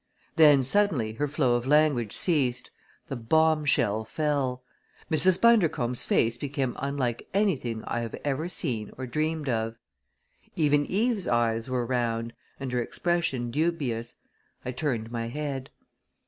Then suddenly her flow of language ceased the bomb shell fell! Mrs. Bundercombe's face became unlike anything I have ever seen or dreamed of. Even Eve's eyes were round and her expression dubious. I turned my head.